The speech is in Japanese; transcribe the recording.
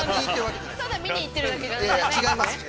◆ただ見に行ってるだけじゃないんですね。